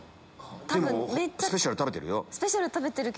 スペシャルメニュー食べてるよ。